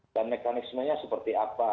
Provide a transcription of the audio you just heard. dan mekanismenya seperti apa